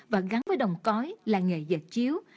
và gắn với đồng cói là nghề dệt chiếu